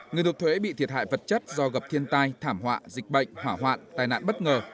người nộp thuế bị thiệt hại vật chất do gặp thiên tai thảm họa dịch bệnh hỏa hoạn tai nạn bất ngờ